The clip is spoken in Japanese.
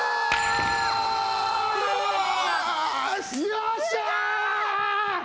よっしゃ！